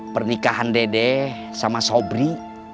pernikahan dede sama sobri